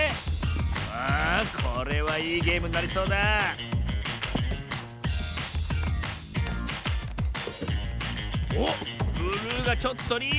さあこれはいいゲームになりそうだおっブルーがちょっとリード！